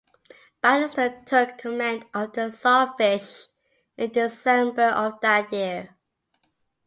Banister took command of the "Sawfish" in December of that year.